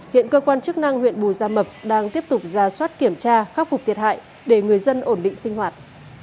hiện cơ quan chức năng huyện bù gia mập đang tiếp tục ra soát kiểm tra khắc phục thiệt hại để người dân ổn định sinh hoạt